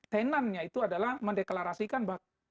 tenannya itu adalah mendeklarasikan bahwa